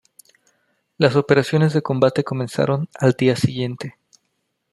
Las operaciones de combate comenzaron al día siguiente.